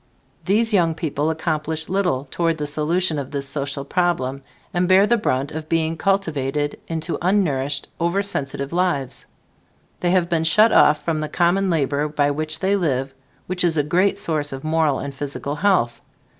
These young people accomplish little toward the solution of this social problem, and bear the brunt of being cultivated into unnourished, oversensitive lives. They have been shut off from the common labor by which they live which is a great source of moral and physical health.